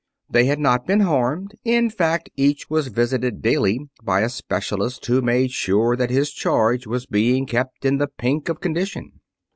They had not been harmed. In fact, each was visited daily by a specialist, who made sure that his charge was being kept in the pink of condition.